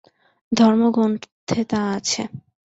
ধর্মগ্রন্থে তা আছে।